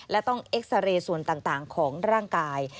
และต้องเอ็กซาเรย์ส่วนต่างของร่างกาย